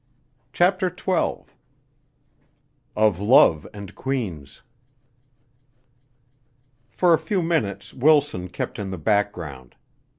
CHAPTER XII Of Love and Queens For a few minutes Wilson kept in the background.